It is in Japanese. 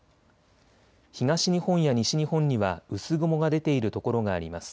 東日本や西日本には薄雲が出ているところがあります。